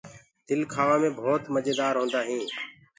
تل کآوآ مي ڀوت مجيدآر هوندآ هينٚ۔